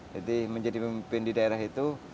jadi menjadi pemimpin di daerah itu